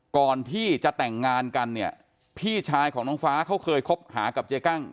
ก่อนที่จะแต่งงานกันเนี่ยพี่ชายของน้องฟ้าเขาเคยคบหากับเจ๊กั้ง